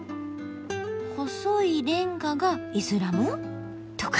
細いレンガがイスラム？とか。